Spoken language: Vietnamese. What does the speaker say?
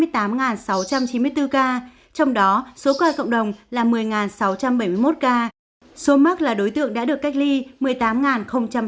trong đó số ca cộng đồng là một mươi sáu trăm bảy mươi một ca số mắc là đối tượng đã được cách ly một mươi tám ba mươi